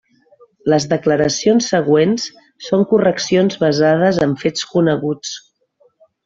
Les declaracions següents són correccions basades en fets coneguts.